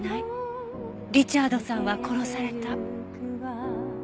リチャードさんは殺された。